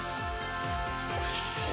よし。